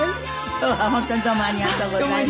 今日は本当にどうもありがとうございました。